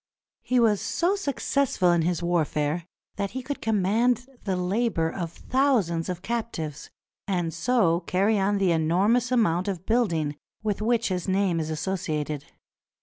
He was so successful in his warfare that he could command the labor of thousands of captives, and so carry on the enormous amount of building with which his name is associated.